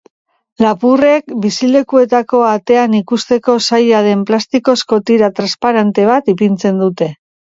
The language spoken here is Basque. Lapurrek bizilekuetako atean ikusteko zaila den plastikozko tira transparente bat ipintzen dute.